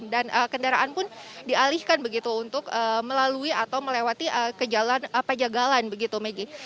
dan kendaraan pun dialihkan begitu untuk melalui atau melewati ke jalan pajagalan begitu maggie